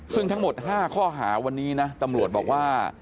ซึ่งทั้งหมด๕ข้อหาวันนี้นะตำรวจบอกว่า